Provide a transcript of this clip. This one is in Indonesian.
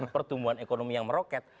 pertumbuhan ekonomi yang meroket